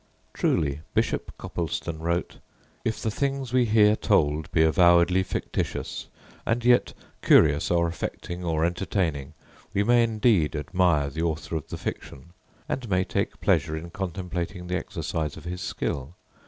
Truly Bishop Copleston wrote: "If the things we hear told be avowedly fictitious, and yet curious or affecting or entertaining, we may indeed admire the author of the fiction, and may take pleasure in contemplating the exercise of his skill.